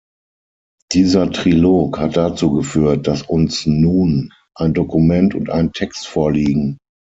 Dieser Trilog hat dazu geführt, dass uns nun ein Dokument und ein Text vorliegen.